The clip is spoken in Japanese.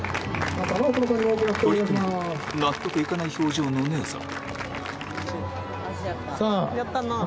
取組後納得いかない表情の姉さん